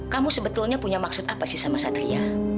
kamu sebetulnya punya maksud apa sih sama satria